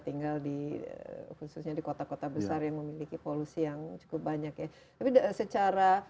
tinggal di khususnya di kota kota besar yang memiliki polusi yang cukup banyak ya tapi secara